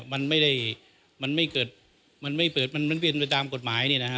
มันไม่ได้มันไม่เกิดมันไม่เกิดมันเป็นไปตามกฎหมาย